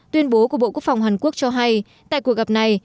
tuyên bố của bộ quốc phòng hàn quốc cho hay tại cuộc gặp này